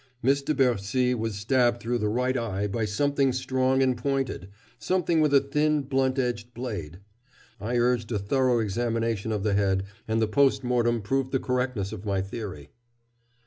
Miss de Bercy was stabbed through the right eye by something strong and pointed something with a thin, blunt edged blade. I urged a thorough examination of the head, and the post mortem proved the correctness of my theory."